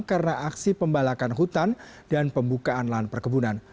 karena aksi pembalakan hutan dan pembukaan lahan perkebunan